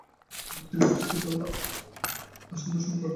ধাত্রী বুঝতে পারলো আসন্ন সংকট।